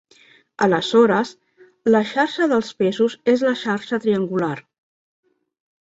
Aleshores, la xarxa dels pesos és la xarxa triangular.